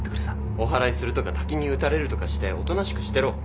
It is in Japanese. おはらいするとか滝に打たれるとかしておとなしくしてろ。